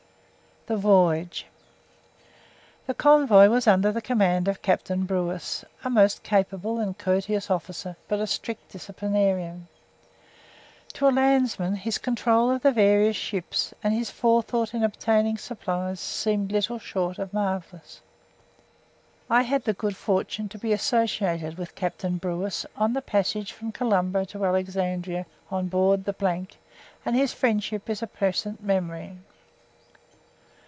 THE VOYAGE The convoy was under the command of Captain Brewis a most capable and courteous officer, but a strict disciplinarian. To a landsman, his control of the various ships and his forethought in obtaining supplies seemed little short of marvellous. I had the good fortune to be associated with Captain Brewis on the passage from Colombo to Alexandria on board the and his friendship is a pleasant memory.